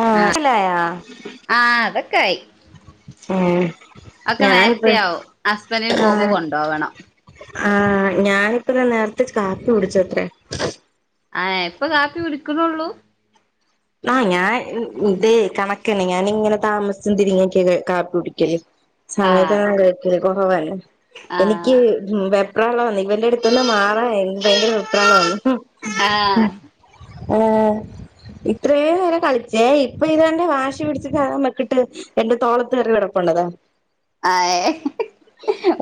ആ സ്‌ലായോ ക്കായ് ഉം ഞാനിപ്പെഴും ആവും ഹസ്ബൻഡിന് ആ പോകുമ്പോ കൊണ്ടോവണം ആ ഞാനിപ്പം ദാ നേർത്തെ കാപ്പി കുടിച്ച് അത്രെ ആഹ് ഇപ്പൊ കാപ്പി കുടിക്കുണുള്ളൂ ആ ഞാൻ ന് ഇതെ കണക്കെണി ഞാനിങ്ങനെ താമസിച്ചും തിരിഞ്ഞൊക്കെ കാപ്പി കുടിക്കെൽ ആഹ് സമയത്ത്നൊക്കെ കഴ്ക്കെൽ കൊറവ് അല്ലെ എനിക്ക് ആഹ് ഉം വേ [unintelligible] വന്നെ ഇവന്റെട്‌ത്ത്ന്ന് മാറാനെ ഭയങ്കര വെപ്രാളാന്ന് ആഹ് ആ ഇത്രേം നേരം കളിച്ചേ ഇപ്പ ഇതാന്റെ വാശി പിടച്ച്ക്കാ മെക്കിട്ട് എന്റെ തോളത്ത് കേറി കെടപ്പ് ഇണ്ട്താ ആ ഏ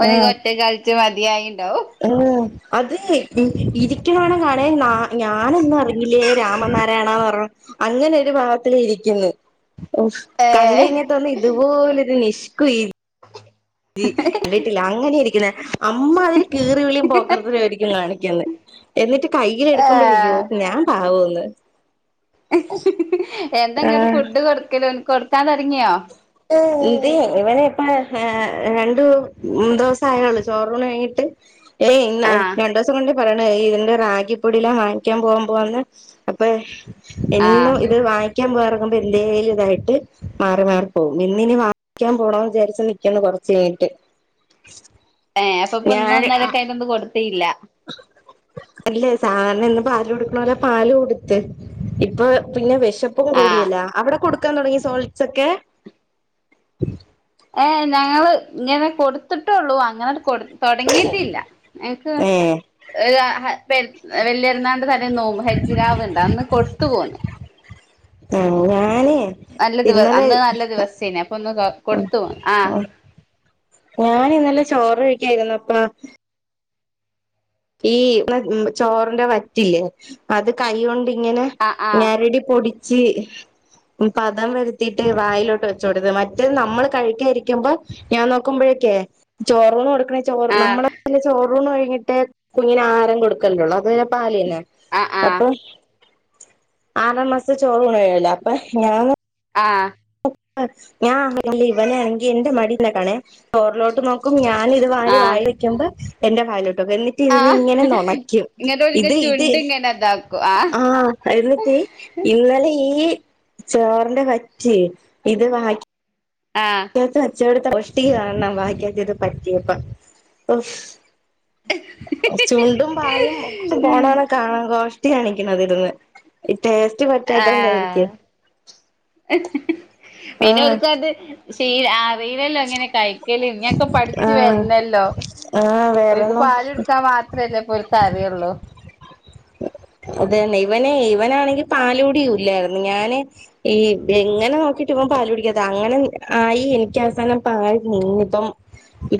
ഓന്ക് ആഹ് ഒറ്റെക്ക് കളിച്ച് മതിയായിണ്ടാവും ആഹ് അത് ഇരികാനോടെ കടേന്നാ ഞാനൊന്നും അറിഞ്ഞില്ലേ രാമനാരാണാന്നു പറഞ്ഞു അങ്ങനെ ഒരു ഭാഗത്തില് ഇരിക്കുന്നു ഓ കണ്ടു ഏഹ് കഴിഞ്ഞാൽ തോന്നും ഇതുപോലൊരു നിഷ്- കുയിൽ ദി ട്ടില്ല അങ്ങനിരിക്കുന്ന അമ്മാതിരി കീറി വിളിയും പോക്കർത്തരം ആയിരിക്കും കാണിക്കുന്നത് എന്നിട്ട് കയ്യിലെടുക്കുമ്പഴേയ്യോ ആഹ് ഞാൻ പാവോന്ന് ആ എന്തെങ്ങ് ഫുഡ് കൊടുക്കലോന് കൊടു ഇത്താതറങ്ങിയോ ഇത് ഇവന ഇപ്പ രണ്ടു ദിവസായുള്ളൂ ചോറൂണ് കഴിഞിട്ട് ഏയ് ഇന്ന് ആഹ് രണ്ടെസം കൊണ്ട് പറയണ ഇതിന്റെറാഗിപ്പൊടില്ല വാങ്ങിക്കാൻ പോകാൻ പോവാന്ന് അപ്പ എന്നും ആഹ് ഇത് വായിക്കാൻ പോവാറ് ന്തൽ ഇതായിട്ട് മാറി മാറി ഓ ഇന്നിനി വായിക്കാൻ പോണോന്ന് വിചാരിച്ച് നിക്കണ് കൊറച്ച് കഴിഞ്ഞട്ട് ഏ് അപ്പൊപ്പൊ ഇന്ന് ഇന്നലൊക്കെ ആയിട്ട് കൊടുത്തു അല്ലെ സാ എന്നും പാല് കൊടുക്കണോല പാല് കൊടുത്ത്, ഇപ്പൊ പിന്നെ വെശപ്പും ആഹ് കൂടിയില്ല. അവിട കൊടുക്കാൻ തൊടങ്ങി സോളിഡ്സ് ഒക്കെ? ഏഹ് ഞങ്ങള് ഇങ്ങനെ കൊടുത്തിട്ടേള്ളൂ. അങ്ങന കൊട് തൊടങ്ങിയിട്ടില്ല, എക്ക് ഏ ങ് ആ പെ അഹ് വല്യരുന്നാളിന്റ തലേന്ന് നോമ്പ് ഹജ്ജ് രാവുണ്ട്, അന്ന് കൊടുത്ത് പോന്ന്. ആഹ് ഞാനേ നല്ല ദിവ, അന്ന് നല്ല ദിവസേന്, അപ്പൊ ഒന്ന് കാ കൊടുത്തു. ആഹ്. ല് ചോറ് കഴിക്കായിരുന്നപ്പ ഈ മ്മ് ചോറിന്റ വറ്റില്ലേ അത് കൈയൊണ്ട് ഇങ്ങനെ ആ ആ ഞെരടി പൊടി ച്ച്, ഉം, പദം വരുത്തീട്ട് വായിലോട്ട് വച്ചൊടുത്ത്. മറ്റേത് നമ്മള് കഴിക്കായിരിക്കുമ്പ ഞാൻ നോക്കുമ്പഴേക്കെ ചോർന്ന് കൊടു റേ ചോറ് ആ നമ്മള അല്ലെ ചോ റൂണ് കഴിഞ്ഞിട്ട് കുഞ്ഞിനാഹാരം കൊടുക്കണ്ടൊള്ളൂ. അത് പാല്ന്നെ ആ ആ അപ്പോ ആറാം മാസത്ത ചോറൂണ് കഴിയുവല്ല അപ്പ ഞാൻ ആഹ്. അ ഞാ ഒണ്ടല്ലോയില്ലി ഇവനെയാണെങ്കി എന്റ മടി ലെക്കാണെ ചോറിലോട്ട് നോക്കും ഞാ ഞാനിത് ആ വാരി വായി വയ്ക്കുമ്പ എന്റെ പാലു എന്നിട്ട് ആ ഇരുന്ന് ഇങ്ങനെ നുണയ്ക്കും ഇങ്ങട്ട് ഓലിന്റെ ഇത് ഇത്- ചുണ്ട് ഇങ്ങനെ ഇതാക്കും ആ ആഹ് എന്നിട്ട് ഇന്നലെ ഈ ചോറിന്റെ വറ്റ് ഇത് വാക്കി- ആഹ് ച്ചോട് [unintelligible] ത്ത കോഷ്ടി കാണണം വായിക്കാത്ത് ഇത് പറ്റിയപ്പം ഓഫ് ചുണ്ടും വായും ഒക്കെ പോണ കണക്കാ ട്ടി കാണിക്കണത് ഇരുന്ന് ടേസ്റ്റ് പറ്റാത്ത ആ കൊണ്ടായിരിക്കും പിന്നെ ഒടുക്കത് ശീ അറിയിലല്ലോ അങ്ങനെ കയി കല് ഇഞ്ഞിപ്പോ പഠിച്ചു ആഹ് വരണല്ലോ ആഹ് ഒര്ക്ക്‌ വേറെന്നും പാല് എടുക്കാ മാത്രമല്ലേ ഇപ്പൊര്ക്ക്‌ അറിയുള്ളൂ നെ ഇവനാണെങ്കിൽ പാലോടിയില്ലായിരുന്നു ഞാന് ഈ എങ്ങനെ നോക്കിട്ട് ഇവൻ പാലോടിക്കതെ അങ്ങനെ ആയി എനിക്ക് അവസാനം പാല് നീന്നി ഇപ്പം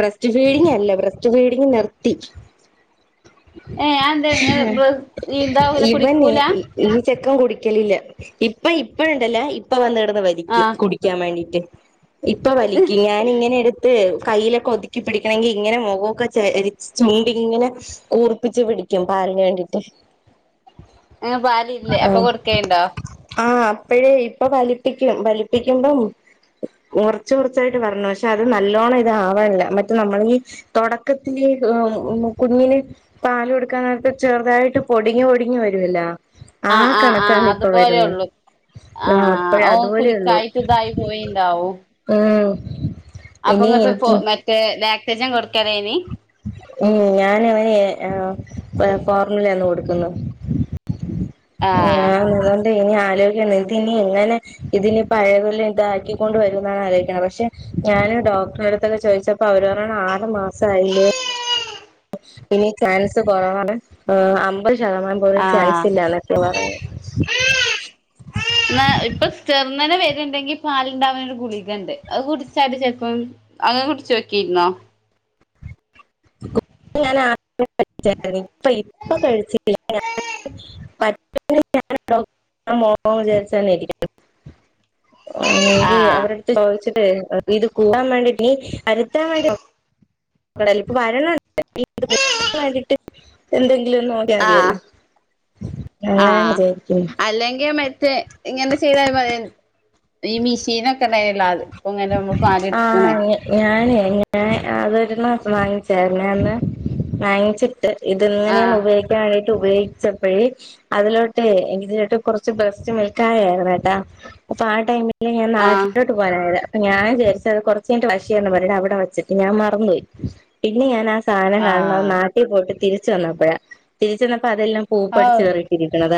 ബ്രസ്റ്റ് ഫീഡിങ് അല്ല ബ്രസ്റ്റ് ഫീഡിങ് നിർത്തി ഏഹ് അതെന്തേ ഇങ്ങള് ബ്ര ഇതാവൂല ഇവൻ കുടിക്കൂല ഈ ചെക്കൻ കുടിക്കലില്ല ഇ ഇപ്പൊ ഇപ്പഴുണ്ടല്ലേ ഇപ്പൊ വന്നിട വലിക്കും ആഹ് കുടിക്കാൻ വേണ്ടി ട്ട് ഇപ്പൊ വലിക്കും ഞാനിങ്ങനെ എടു ത്ത് കയ്യിലൊക്കെ ഒതുക്കി പിടിക്കണമെങ്കി ഇങ്ങനെ മുഖോക്കെ ചരി ചുണ്ടിങ്ങനെ കൂർപ്പിച്ച് പിടിക്കും പാലിന് വേണ്ടിട്ട് പാല് ഇല്ലേ അപ്പൊ കൊടുക്കെണ്ടോ ഇപ്പോഴേ ഇപ്പൊ വലിപ്പിക്കും വലിപ്പിക്കുമ്പം കുറച്ച് കുറച്ചായിട്ട് വരണ പക്ഷെ അ അത് നല്ലോണം ഇതാവാണില്ല മറ്റേ നമ്മളി തുടക്കത്തിൽ കുഞ്ഞിന് പാല് കൊടുക്കാനായിട്ട് ചെറുതായിട്ട് പൊടിഞ്ഞ് പൊടിഞ്ഞ് വരുവല്ലോ ആ ആഹ് ആഹ് ആഹ് കണക്കാണ് ഇപ്പൊ വരുന്നെ അതുപോലെള്ളൂ ആഹ് അപ്പഴ ഓഹ് ഓൻ അതുപോലെ ഉള്ളൂ കുടിക്കായിട് ഇതായി പോയിണ്ടാവും ഉം അപ്പൊ ഇനി ഇങ്ങത്തെ ഫോ എനിക്ക് മറ്റേ ലാ റ്റജൻ കൊടു ഉം ഞാൻ അവന് ഫോർമിലന്ന് കൊടു ക്കുന്നു ആഹ് ഞാൻ ഇനി ആലോയിക്കണം ഇത് ഇനി എങ്ങനെ ഇതിനി പഴയതൊലെ ഇതാക്കിക്കൊണ്ട് വരുന്നാണ് ആലോയിക്കുന്നത് പക്ഷെ ഞാന് ഡോക്ടറ അടുത്തൊക്കെ ചോദിച്ചപ്പോ അവര് പറയണത് ആറ് മാസായില്ലേ ഇനി ചാൻസ് കുറാവാണ് അമ്പത് ശ ആഹ് ഇപ്പൊ ചെർന്നനെ വെ ര്ണ്ടെങ്കിൽ പാല്ണ്ടാവുന്ന ഒരു ഗുളിക ഉണ്ട് അത് കുടിച്ചല് ചിലപ്പോ അത് കുടിച്ച് നോക്കിരുന്നോ [unintelligible] [inaudible] വാങ്ങു എങ്കിൽ ആഹ് അവരട്ത്ത് ചോയിച്ച് [unintelligible] ഇത് കൂട്ടാൻ വേണ്ടിട്ട് ഈ [unintelligible] [unintelligible] ഇപ്പവരണ് ണ്ട് [unintelligible] ആഹ് അങ്ങനെ ആഹ് വിചാരിക്കുന്നു അല്ലെങ്കിൽ മറ്റേ ഇങ്ങനെ ചെയ്താല് പോരെ ഈ മിഷീനൊക്കെ ണ്ടായിനല്ലോ ആദ്യം ആഹ് ഞാനേ അത് ഒരു മാസം വാങ്ങിച്ചാരുന്നു അന്ന് വാങ്ങിച്ചി ട്ട് ഇതിങ്ങനെയാന്ന് ആഹ് ഉപയോഗിക്കാൻ [unintelligible] ഉപയോഗിച്ചപ്പാഴ് ഇല്ല ഞാന്‍ ആഹ് നാട്ടിലോട്ട് പോവാൻ ആയില്ല ഞാൻ വിചാരിച്ച് അത് കുറച്ച് കഴിഞ്ഞിട്ട് വാഷെയ്യാന്ന് പറഞ്ഞിട്ട് അവിടെ വെച്ചിട്ട് ഞാൻ മറന്ന് പോയി പിന്നെ ഞാൻ ആ സാധനം കാണണത് ആഹ് നാട്ടിൽ പോയിട്ട് തിരി ച്ച് വന്നപ്പഴാ തിരിച്ച് വന്ന പ്പ അതെല്ലാം ഔ പൂപ്പടിച്ച് കയറിയിട്ടിരിക്കണത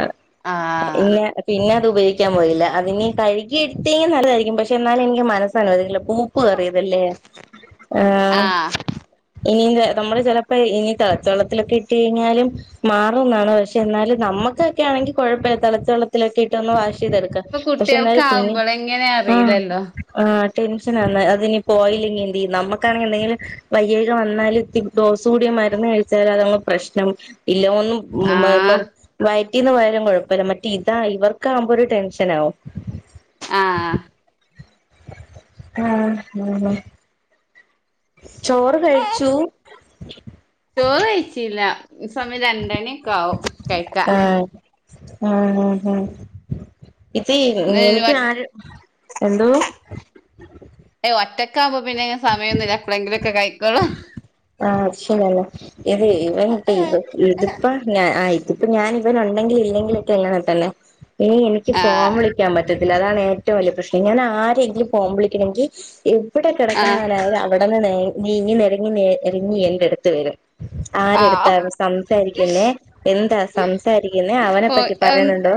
ആ ആഹ് പിന്നെ പിന്നാ അത് ഉപയോഗിക്കാൻ പോയില്ല അതിനി കഴുകി എടുത്ത് കഴിഞ്ഞാൽ നല്ലതായിരി ക്കും പക്ഷെ എന്നാലും എനിക്ക് മനസ്സ് അനുവദിക്കാണില്ല പൂ പ്പ് കയറിയതല്ലേ ആഹ് ഇനിത് നമ്മള് ചിലപ്പാഴ് ഇനി തിളച്ച വെള്ളത്തിലൊക്കെ ഇട്ട് കഴിഞ്ഞാലും മാറുന്നാണ് പക്ഷെ എന്നാലും നമ്മക്കാക്ക ആണെങ്കിൽ കുഴപ്പയില്ല തിളച്ച വെള്ളത്തിലൊക്കെ ഇട്ട് ഒന്ന് വാഷ് ചെയ്തെടുക്കാം ഇപ്പൊ പക്ഷെ കുട്ടിയൾക്ക് എന്നാലും കുഞ്ഞ് ആവുമ്പോള് എങ്ങനെയ ആഹ് റിയില്ലല്ലോ ആഹ് ടെൻഷനാന്ന് അതിനി പോയില്ലെങ്കിൽ എന്തേയ്യും നമ്മക്കാണെങ്കിൽ എന്തെങ്കിലും വയ്യായ്ക വന്നാലും ഇത്തി ഡോസ് കൂടിയ മരുന്ന് കഴിച്ചാലും അതങ്ങ് പ്രശ്നം തി ഇല്ല ഒന്നും ആഹ് [unintelligible] റ്റീന്ന് പോയാലും കുഴപ്പയില്ല മറ്റേ ഇതാ ഇവർക്കാവുമ്പോ ഒരു ടെൻഷൻ ആവും ആഹ് ആഹ് ഉം ചോറ് കഴിച്ചു ചോറ് കഴിച്ചില്ല സമയം രണ്ട് മണിയൊക്കെ ആവും കഴിക്കാ ഉം ഉം ഉം ഇത് ഇന്ന് എനിക്ക് ആര് എന്തോ ക്കാവുമ്പോ പിന്നിങ്ങനെ സമയൊന്നുല്ല എപ്പോളെങ്കിലൊക്കെ കഴിക്കുള്ളു [unintelligible] ഇത് ഇവൻ ഇപ്പ ഇത് ഇതിപ്പം ഞാൻ ആ ഇപ്പൊ ഞാൻ ഇവൻ ഉണ്ടെങ്കിലും ഇല്ലെങ്കിലൊക്കെ ഇങ്ങനെ തന്നെ ഇനി എനിക്ക് ഫോൺ ആഹ് വിളിക്കാൻ പറ്റ ത്തില്ല അതാണ് ഏറ്റവും വലിയ പ്രശ്നം ഞാൻ ആരെങ്കിലും ഫോൺ വിളിക്കണെങ്കിൽ എവ്ടാ ആഹ് കെടക്കാണവൻ അത് അവിടാ ടന്ന് നെ നീങ്ങി നേരങ്ങി നേരങ്ങി എന്റെടുത്ത് വരും ആരെടുത്ത ആഹ് ഇവൻ സംസാരിക്കുന്നേ എന്താ സംസാരിക്കുന്നേ അവനെ ഓ പറ്റി എം പറയണുണ്ടോ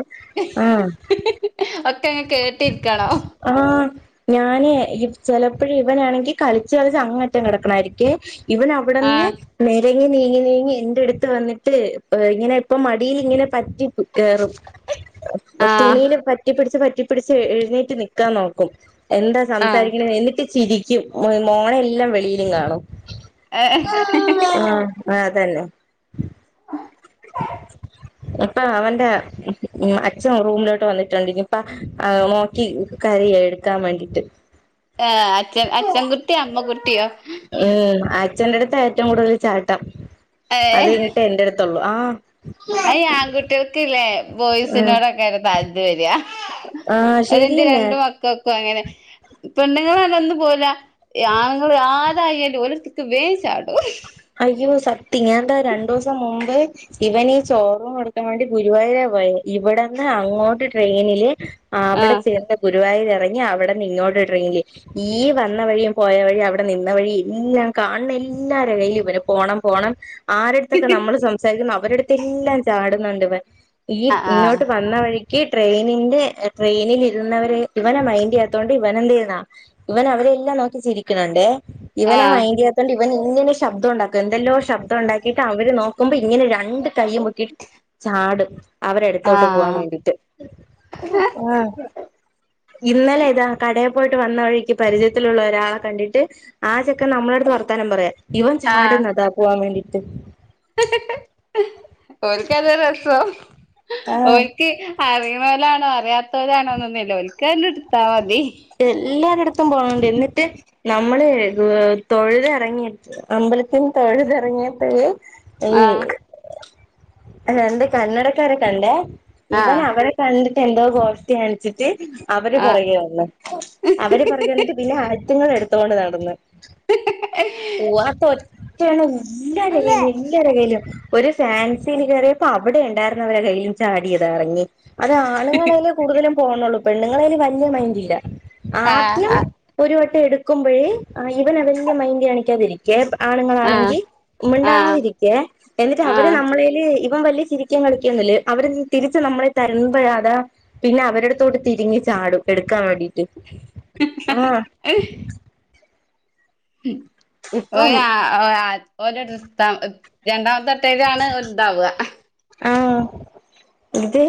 ആഹ് ഒക്കെ അങ്ങ് കേട്ടിരിക്കണോ ആഹ് ഞാന് ഈ ചില ഇപ്പോഴ ഇവനാണെങ്കിൽ കളിച്ച് കളിച്ച് അങ്ങറ്റം കിടക്കണായിരിക്കേ ഇവൻ അവിടെന്ന് ആഹ് ഇഴങ്ങി നീങ്ങി നീങ്ങി എൻന്റെറടുത്ത് വന്നിട്ട് ഇങ്ങനെ ഇപ്പൊ മടിയിൽ ഇങ്ങനെ പറ്റി [unintelligible] തുണി ആഹ് പറ്റിപ്പ കറ്റിപ്പിടിച്ച് എഴുന്നീറ്റ് നിക്കാൻ നോക്കും എന്താ ആഹ് സംസാരിക്കുന്നത് എനിക്ക് ചിരിക്കും മോനയെല്ലാം വെളിയിലും കാണും ഏഹ് [unintelligible] ആ അതന്നെ ഇപ്പൊ അവന്റെ അച്ഛൻ റൂമിലോട്ട് വന്നിട്ടുണ്ട് ഇനി ഇപ്പ നോക്കി കരായും എടുക്കാൻ വേണ്ടിട്ട് ഏഹ് അച്ഛൻ അച്ഛൻ കുട്ടിയോ അമ്മ കുട്ടിയോ [unintelligible] അച്ഛന്റെ അടുത്ത് ഏറ്റവും കൂടുതൽ ചാട്ടം അത് കഴിഞ്ഞിട്ട എന്റെ അടുത്തള്ളു ആ ആ ആൺകുട്ടികൾക്ക ഇല്ലേ ബോയ്സിനോടൊക്കെ ഒരു [unintelligible] വരിയാ ആഹ ശരിയെന്നെ മക്കൾക്കും അങ്ങനെ പെണ്ണുങ്ങളല്ല ഒന്നും പോല ഞങ്ങൾ ആതായാലും ഓരോത്തക്ക് വേശാടും അയ്യോ സത്യ ഞൻ എന്താ രണ്ടു ദിവസം മുമ്പേ ഇവൻ ഈ ചോർവും കൊടുക്കാൻ ആ അവിടെ ആഹ് ചേർത്ത ഗുരുവായൂര ഇ അവിടെന്ന് ഇങ്ങോട്ട് ഇടില് ഈ വന്ന വഴിയും പോയ വഴി അവിടെ നിന്ന വഴി എല്ലാം കാണുന്ന എല്ലര കയിലും ഇവര് പോണം പോണം ആരു അടുത്തൊക്കെ നമ്മള് സംസാരിക്കുന്ന അവടെടുത്ത് എല്ലാം ചാടുന്നുണ്ട് ഇവൻ ഈ ആഹ് ഇങ്ങോട്ട് വന്ന വഴി ഈ ട്രെയിനിന്റെ ട്രെയിനിൽ ഇരുന്നവര് ഇവനെ മൈൻഡ്യ്യാത്തോണ്ട് ഇവൻ എന്തെയ്യ്തെന്ന ഇവൻ അവരെ എല്ലാം നോക്കി ചിരിക്കണുണ്ടേ ഇവനെ ആഹ് മൈൻഡ്യ്യാത്തോണ്ട് ഇ വന് ഇങ്ങനെ ശബ്ദം ഉണ്ടാക്കും എന്തെല്ലോ ശബ്ദം ഉണ്ടാക്കിട്ട് അവര് നോക്കുമ്പോ ഇങ്ങനെ രണ്ട് കയ്യും പൊക്കീട്ട് ചാടും. ആഹ് അവരടുത്തോട്ട് പോവാൻ ആഹ് വേണ്ടിട്ട്. ആഹ് ഇന്നലെ ഇതാ കടേ പോയിട്ട് വന്ന വഴിക്ക് പരിചയത്തിലുള്ള ഒരാളെ കണ്ടിട്ട് ആ ചെക്കൻ നമ്മളെ അടുത്ത് വർത്താനം പറയ. ഇവൻ ചാട്ന്നത പോവാൻ വേണ്ടി ട്ട് ഓൽക്കതൊരു രസം. ആഹ് ഓൽക്ക് അറിയ്ണോലാണോ അ റയാത്തോരാണോന്നൊന്നുല്ല ഓൽക്കങ്ങ്ട് എല്ലാരടുത്തും പോണ് ണ്ട് എന്നിട്ട് ന മ്മള് ഏ തൊഴുത് ഇറങ്ങി അമ്പലത്തിന്ന് തൊഴുത് ഇറങ്ങിയപ്പഴ് ഏ ആഹ് രണ്ട് കന്നടക്കാരെ കണ്ടേ ഇവൻ ആഹ് അവരെ കണ്ടി ട്ടെന്തോ ഗോഷ്ട്ടി കാണിച്ചിട്ട് അ ആഹ് പൊറകെ വന്ന് അവര് പൊറകെ വന്നിട്ട് പിന്നെ അ തുങ്ങളെടുത്തോണ്ട് നടന്ന് പോവാത്ത ഒ റ്റെണ്ണവു എല്ലാരെ കൈയിലും എല്ലാരെ കൈയിലും ഒരു ഫാൻസിൽ കേറിയപ്പോ അവിടെ ഒണ്ടായിരുന്നവരെ കയ്യിലും ചാടിയത എറങ്ങി. അത് ആണുങ്ങളെലെ കൂടുതലും പോവ്ന്നുള്ളൂ പെണ്ണുങ്ങളെല് വ പിന്നെ മൈൻഡില്ല. ആഹ് ആദ്യം ആഹ് ഒരു വ ട്ടം എടുക്കുമ്പഴേ ഏ ഇവൻ അത് വല്ല്യ മൈൻഡ് കാണിക്കാതിരിക്കെ [unintelligible] ആണുങ്ങളാണെങ്കി ആഹ് മിണ്ടാതിരിക്കേ എന്നിട്ട് അവര് ആഹ് നമ്മളെല് ഇ ഇവൻ വല്യ ചിരിക്കേം കളിക്കൊന്നും ഇല്ലേ അവര് തിരിച്ച് നമ്മളെ തരുമ്പഴടാ പിന്നെ അവരടുത്തോട്ട് തിരിഞ്ഞു ചാടും. എടുക്കാൻ വേണ്ടി ട്ട് ആഹ് ഉം ഓയ ഇപ്പം ഓ ആ ഓലെ [unintelligible] രണ്ടാം ത്തട്ടേരാണ് ഉണ്ടാവ അഹ് ആഹ് ഇത്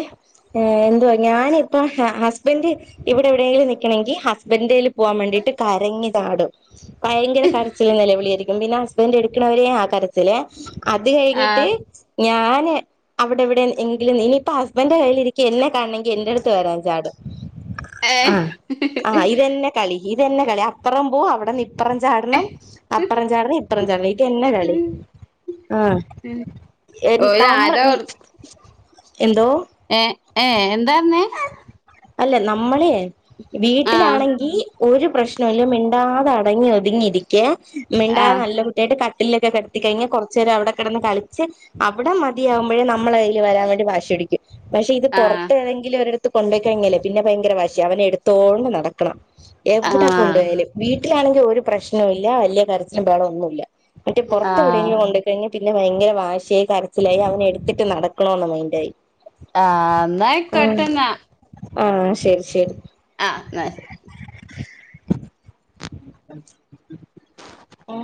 ഏ എന്ത്വ ഞാനിപ്പൊം ഹസ്ബൻഡ് ഇവിടെ എവിടേങ്കിലും നിക്കണേങ്കി ഹസ്ബൻഡേല് പോവാൻ വേണ്ടീട്ട് കരഞ്ഞ് ചാടും ഭയങ്കര കരച്ചിലും നെലവിളിയ് അയ്രി പിന്ന ഹസ്ബൻഡ് എടുക്ക്‌ണ വരേ ആ കരച്ചില് അത് കയ്ഞ്ഞിട്ട് ആഹ് ഞാന് അവിടെ എവിടെ എങ്കിലും ഇനിയിപ്പോ ഹസ്ബൻ് കയ്യിലിരിക്ക്‌ എന്നെ കാണെ ങ്കി എന്റെടുത്ത് വരാൻ ചാടും ഏഹ് ആഹ് ആഹ് ഇതെന്നെ കളി ഇതെന്നെ കളി അപ്പറം പോവ് അവിടെ നി ഇപ്പറം ചാടണം അപ്പറം ചാടണം ഇപ്പറം ചാടണം ഇതെന്നെ കളി ആ എൻ നമ്മൾ വി ഏ ഏ എന്താർന്ന് അല്ലെ നമ്മളെ ആഹ് വീട്ടിലാണെങ്കീ ഒരു പ്രശ്നവു ല്ല മിണ്ടാതെ അടങ്ങി ഒതുങ്ങിരിക്കേ മിണ്ടാ ആഹ് നല്ല കുട്ട്യായിട്ട് കട് ട്ടില്ലൊക്കെ കെട്ത്തി കയ്ഞ്ഞാ കൊർച് ഏരൊ അവിടെ കെടന്ന് കളിച്ച് അവ്ടെ മതിയാവ്മ്പോഴേ നമ്മള കയ്യില് വരാൻ വേണ്ടി വാശി പിടിക്കും പക്ഷെ ഇത് ആഹ് പൊറത്തേതെങ്കിലും ഒരിട ത്ത് കൊണ്ടോയ് കയ്ഞ്ഞലേ പിന്നെ ഭയങ്കര വാശ്യ അവനെ എടുത്തോണ്ട് നടക്കണം എവ്വ്ട ആഹ് കൊണ്ടു പോയാലും വീട് ട്ടിലാണെങ്കി ഒരു പ്രശ്നവു ഇല്ല വല്ല്യ കരച്ചിലും ബഹളൊ ഒന്നു ല്ല മറ്റെ പൊറത്ത് ആഹ് എവിടെങ്കിലു കൊണ്ട കയ്ഞ്ഞ പിന്നെ ഭയങ്കര വാശിയായി കരച്ചിലായി അവനെ എടുത്തിട്ട് നടക്കണൊന്ന മൈന്റായി ആ ന്നായ്കോട്ടെ ന്നാ ആഹ് ശരി ശരി ആഹ് ന്ന ശ ആ